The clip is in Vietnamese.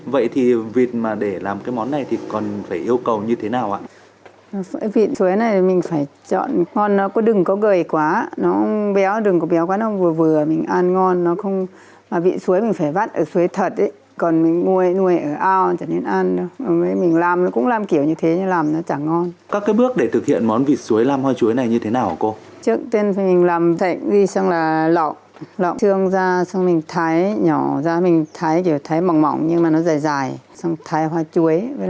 vậy thì những cái loại rau mà để làm nên cái món rau xôi này thì gồm những loại gì hả cô